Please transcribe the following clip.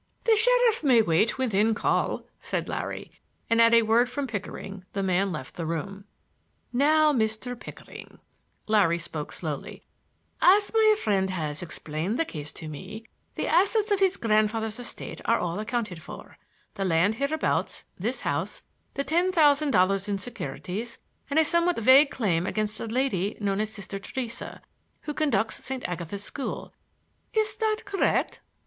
"The sheriff may wait within call," said Larry, and at a word from Pickering the man left the room. "Now, Mr. Pickering,"—Larry spoke slowly,—"as my friend has explained the case to me, the assets of his grandfather's estate are all accounted for,—the land hereabouts, this house, the ten thousand dollars in securities and a somewhat vague claim against a lady known as Sister Theresa, who conducts St. Agatha's School. Is that correct?"